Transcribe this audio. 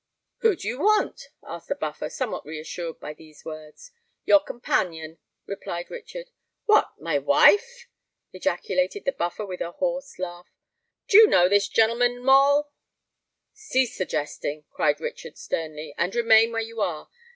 "Who do you want?" asked the Buffer, somewhat reassured by these words. "Your companion," replied Richard. "What! my wife?" ejaculated the Buffer, with a hoarse laugh. "Do you know this gen'leman, Moll?" "Cease this jesting," cried Richard sternly; "and remain where you are.